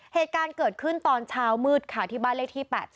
เหตุการณ์เกิดขึ้นตอนเช้ามืดค่ะที่บ้านเลขที่๘๗